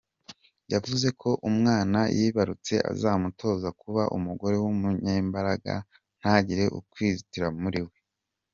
Yavuze ko umwana yibarutse azamutoza kuba umugore w’umunyembaraga ntagire ukwizitira muri we.